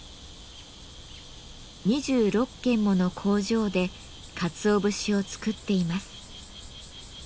２６軒もの工場でかつお節を作っています。